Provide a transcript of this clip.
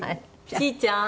ちーちゃん？